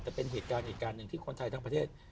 จะเป็นเหตุการณ์หนีอีกการณ์นึงที่คนไทยทั้งประเทศ